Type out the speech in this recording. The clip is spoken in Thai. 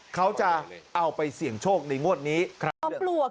เขาจะเอาไปเสี่ยงโชคในงวดนี้ครับ